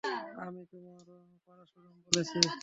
আমি তোমার পারাসুরাম বলছি।